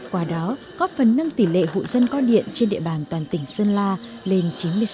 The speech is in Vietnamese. qua đó có phần nâng tỷ lệ hộ dân có điện trên địa bàn toàn tỉnh sơn la lên chín mươi sáu